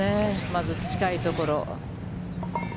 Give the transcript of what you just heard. まず近いところ。